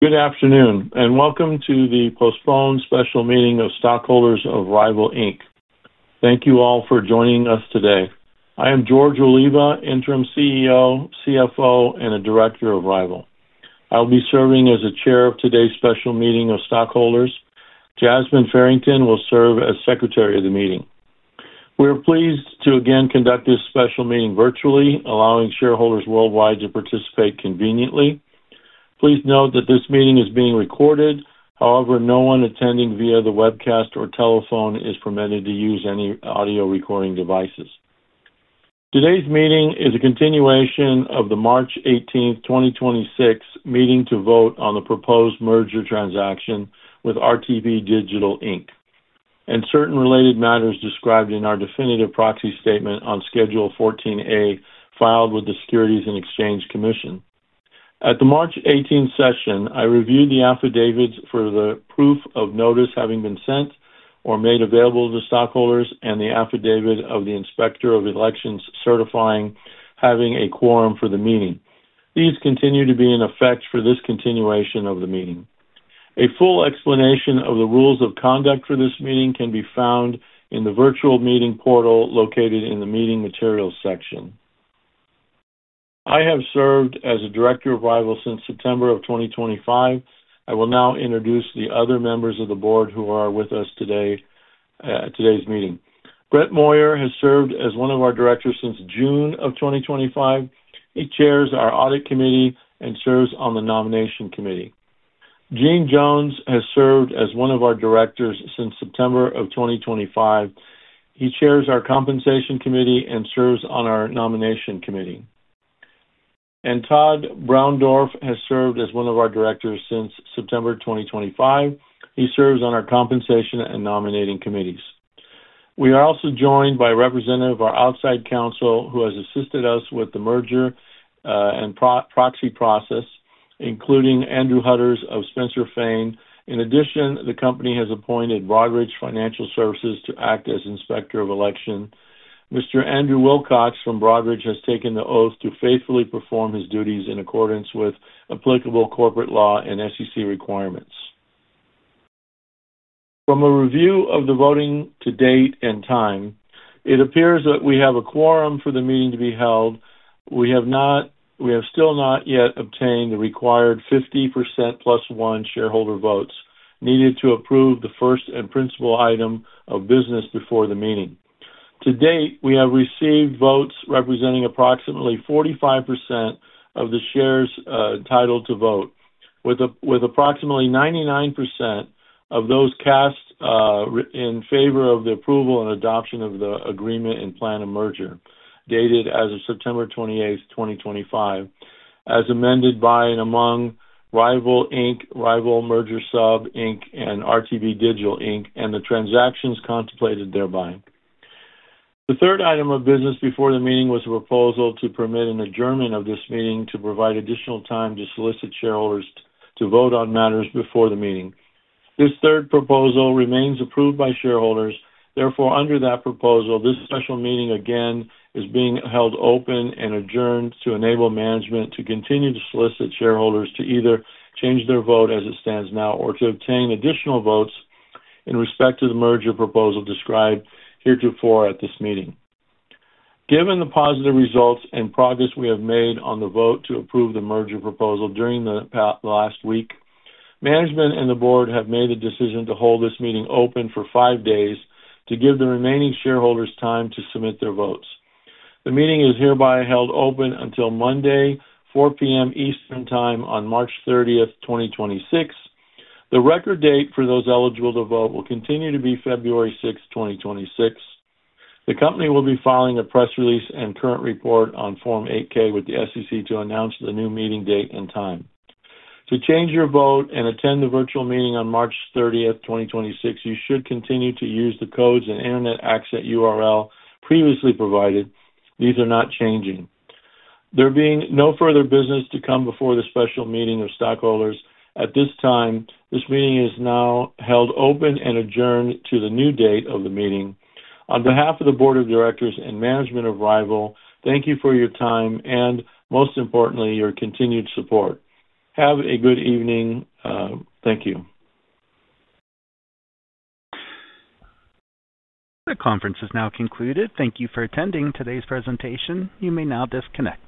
Good afternoon, and welcome to the postponed special meeting of stockholders of Ryvyl Inc. Thank you all for joining us today. I am George Oliva, Interim CEO and CFO, and a Director of Ryvyl Inc. I'll be serving as the Chair of today's special meeting of stockholders. Jasmine Farrington will serve as Secretary of the meeting. We are pleased to again conduct this special meeting virtually, allowing shareholders worldwide to participate conveniently. Please note that this meeting is being recorded. However, no one attending via the webcast or telephone is permitted to use any audio recording devices. Today's meeting is a continuation of the March 18, 2026 meeting to vote on the proposed merger transaction with RTB Digital, Inc. and certain related matters described in our definitive proxy statement on Schedule 14A, filed with the Securities and Exchange Commission. At the March 18th session, I reviewed the affidavits for the proof of notice having been sent or made available to stockholders and the affidavit of the Inspector of Elections certifying having a quorum for the meeting. These continue to be in effect for this continuation of the meeting. A full explanation of the rules of conduct for this meeting can be found in the virtual meeting portal located in the Meeting Materials section. I have served as a Director of Ryvyl since September 2025. I will now introduce the other members of the Board who are with us today at today's meeting. Brett Moyer has served as one of our Directors since June 2025. He chairs our Audit Committee and serves on the Nomination Committee. Gene Jones has served as one of our Directors since September 2025. He chairs our Compensation Committee and serves on our Nomination Committee. Tod Browndorf has served as one of our Directors since September 2025. He serves on our Compensation and Nominating Committees. We are also joined by a representative of our outside counsel who has assisted us with the merger and proxy process, including Andrew Hudders of Spencer Fane. In addition, the company has appointed Broadridge Financial Solutions to act as Inspector of Election. Mr. Andrew Wilcox from Broadridge has taken the oath to faithfully perform his duties in accordance with applicable corporate law and SEC requirements. From a review of the voting to date and time, it appears that we have a quorum for the meeting to be held. We have still not yet obtained the required 50% plus one shareholder votes needed to approve the first and principal item of business before the meeting. To date, we have received votes representing approximately 45% of the shares entitled to vote, with approximately 99% of those cast in favor of the approval and adoption of the agreement and plan of merger, dated as of September 28, 2025, as amended by and among Ryvyl Inc., RYVYL Merger Sub Inc., and RTB Digital, Inc., and the transactions contemplated thereby. The third item of business before the meeting was a proposal to permit an adjournment of this meeting to provide additional time to solicit shareholders to vote on matters before the meeting. This third proposal remains approved by shareholders. Therefore, under that proposal, this special meeting again is being held open and adjourned to enable management to continue to solicit shareholders to either change their vote as it stands now or to obtain additional votes in respect to the merger proposal described heretofore at this meeting. Given the positive results and progress we have made on the vote to approve the merger proposal during the last week, management and the Board have made the decision to hold this meeting open for five days to give the remaining shareholders time to submit their votes. The meeting is hereby held open until Monday, 4:00 P.M. Eastern Time on March 30, 2026. The record date for those eligible to vote will continue to be February 6, 2026. The company will be filing a press release and current report on Form 8-K with the SEC to announce the new meeting date and time. To change your vote and attend the virtual meeting on March 30, 2026, you should continue to use the codes and internet access URL previously provided. These are not changing. There being no further business to come before the special meeting of stockholders at this time, this meeting is now held open and adjourned to the new date of the meeting. On behalf of the Board of Directors and management of Ryvyl, thank you for your time and, most importantly, your continued support. Have a good evening, thank you. This conference is now concluded. Thank you for attending today's presentation. You may now disconnect.